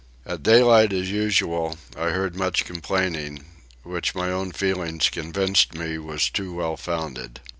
At daylight as usual I heard much complaining, which my own feelings convinced me was too well founded.